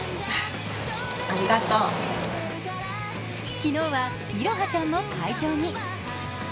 昨日は彩葉ちゃんも会場に。